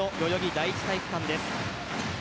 第一体育館です。